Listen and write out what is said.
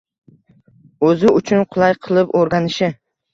o’zi uchun qulay qilib o’rganishi